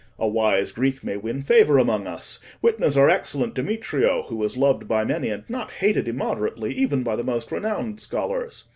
A wise Greek may win favour among us; witness our excellent Demetrio, who is loved by many, and not hated immoderately even by the most renowned scholars."